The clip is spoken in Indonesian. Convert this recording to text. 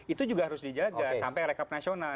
itu juga harus dijaga sampai rekap nasional